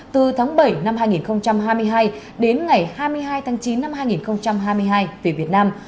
từ tháng bảy năm hai nghìn hai mươi hai đến ngày hai mươi hai tháng chín năm hai nghìn hai mươi hai về việt nam